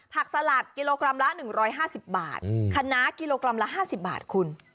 สลัดกิโลกรัมละ๑๕๐บาทคณะกิโลกรัมละ๕๐บาทคุณ